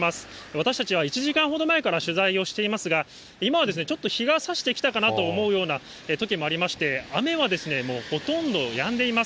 私たちは１時間ほど前から取材をしていますが、今はちょっと日がさしてきたかなと思うようなときもありまして、雨はほとんどやんでいます。